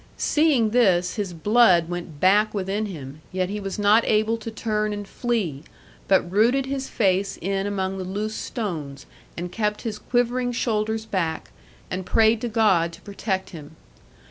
Seeing this his blood went back within him, yet he was not able to turn and flee, but rooted his face in among the loose stones, and kept his quivering shoulders back, and prayed to God to protect him.